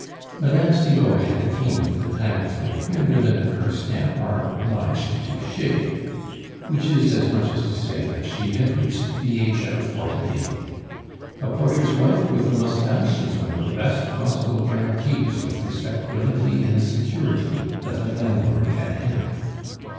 Mme. Cibot had attained the time of life when women of her stamp are obliged to shave which is as much as to say that she had reached the age of forty eight. A porter's wife with a moustache is one of the best possible guarantees of respectability and security that a landlord can have.